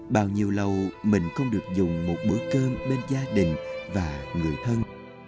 bao nhiêu lâu mình không được dùng một bữa cơm bên gia đình và người thân